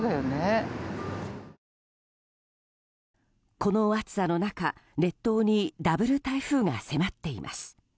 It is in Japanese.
この暑さの中、列島にダブル台風が迫っています。